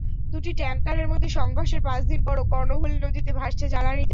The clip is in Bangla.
দুটি ট্যাংকারের মধ্যে সংঘর্ষের পাঁচ দিন পরও কর্ণফুলী নদীতে ভাসছে জ্বালানি তেল।